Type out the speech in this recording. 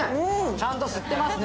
ちゃんと吸ってますね